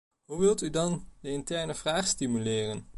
Hoe wilt u dan de interne vraag stimuleren?